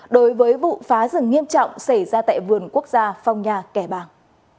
đối với vụ phá rừng nghiêm trọng xảy ra tại vườn quốc gia phong nha kẻ bàng